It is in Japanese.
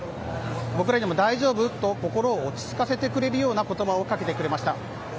僕らにも大丈夫？と落ち着かせてくれるような言葉をかけてくれました。